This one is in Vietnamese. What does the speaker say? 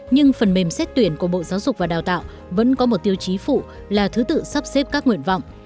nhưng phần mềm xét tuyển của bộ giáo dục và đào tạo vẫn có một tiêu chí phụ là thứ tự sắp xếp các nguyện vọng